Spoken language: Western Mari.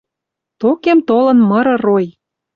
Токем толын мыры рой.